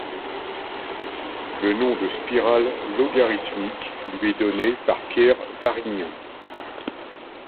Le nom de spirale logarithmique lui est donné par Pierre Varignon.